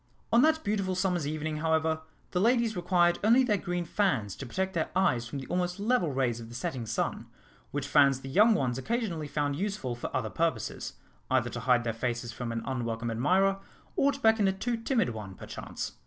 On that beautiful summer's evening, however, the ladies required only their green fans to protect their eyes from the almost level rays of the setting sun, which fans the young ones occasionally found useful for other purposes either to hide their faces from an unwelcome admirer, or to beckon a too timid one, perchance.